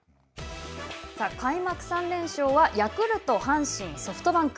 さあ、開幕３連勝はヤクルト、阪神、ソフトバンク。